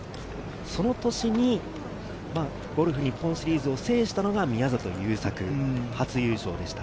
その年にゴルフ日本シリーズを制したのが宮里優作、初優勝でした。